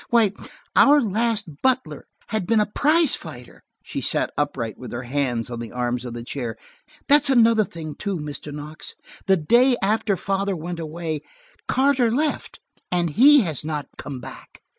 Why, our last butler had been a prize fighter!" She sat upright with her hands on the arms of the chair. "That's another thing, too, Mr. Knox. The day after father went away, Carter left. And he has not come back."